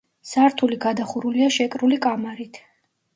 სართული გადახურულია შეკრული კამარით.